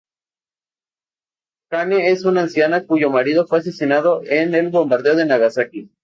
Kane es una anciana cuyo marido fue asesinado en el bombardeo de Nagasaki.